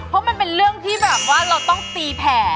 เพราะมันเป็นเรื่องที่เราก็ต้องตีแผ่